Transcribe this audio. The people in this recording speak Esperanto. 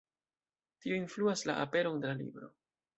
Tio influas la aperon de la libro.